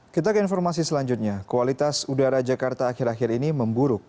kita ke informasi selanjutnya kualitas udara jakarta akhir akhir ini memburuk